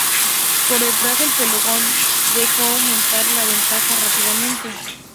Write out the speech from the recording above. Por detrás, el pelotón dejó aumentar la ventaja rápidamente.